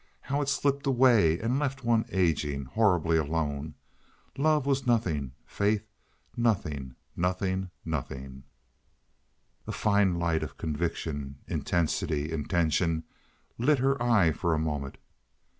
How it slipped away and left one aging, horribly alone! Love was nothing, faith nothing—nothing, nothing! A fine light of conviction, intensity, intention lit her eye for the moment.